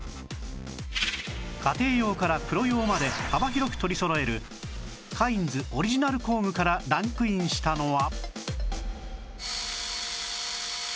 家庭用からプロ用まで幅広く取りそろえるカインズオリジナル工具からランクインしたのは